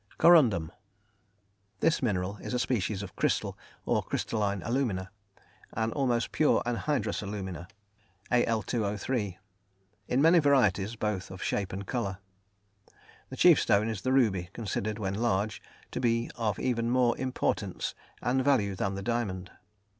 Corundum. This mineral is a species of crystal, or crystalline alumina an almost pure anhydrous alumina, Al_O_ in many varieties, both of shape and colour. The chief stone is the ruby, considered, when large, to be of even more importance and value than the diamond.